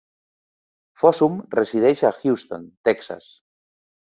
Fossum resideix a Houston, Texas.